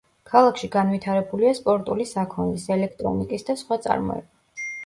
ქალაქში განვითარებულია სპორტული საქონლის, ელექტრონიკის და სხვა წარმოება.